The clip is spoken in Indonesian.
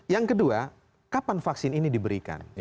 yang kedua kapan vaksin ini diberikan